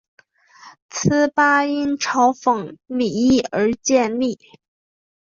此吧因嘲讽李毅而建立。